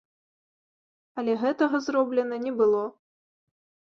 Але гэтага зроблена не было.